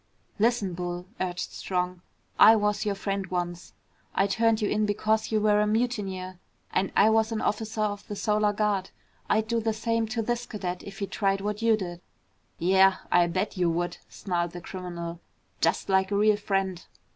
"Listen, Bull," urged Strong, "I was your friend once. I turned you in because you were a mutineer and I was an officer of the Solar Guard. I'd do the same to this cadet if he tried what you did." "Yeah, I'll bet you would," snarled the criminal. "Just like a real friend!"